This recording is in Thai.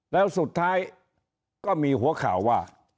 แล้วสุดท้ายก็มีหัวข่าวว่า